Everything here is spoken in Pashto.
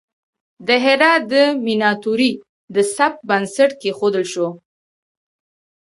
د هرات د میناتوری د سبک بنسټ کیښودل شو.